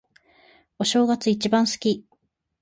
お正月、一番好き。